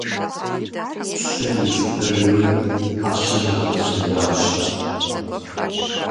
Пщыр укӀытэжри, Ӏэщэр игъэтӀылъыжащ.